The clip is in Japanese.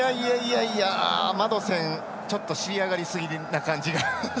マドセンちょっと仕上がりすぎな感じがします。